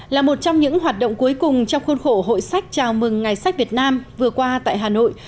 là một trong những hoạt động cuối cùng trong khuôn khổ hội sách chào mừng ngày sách việt nam vừa qua tại hà nội